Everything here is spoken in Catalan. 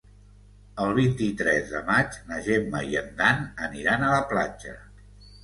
El vint-i-tres de maig na Gemma i en Dan aniran a la platja.